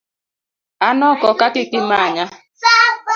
An oko ka kik imanya.